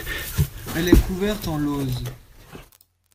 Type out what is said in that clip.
Elle est couverte en lauzes.